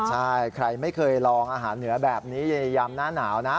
ใช่ใครไม่เคยลองอาหารเหนือแบบนี้ในยามหน้าหนาวนะ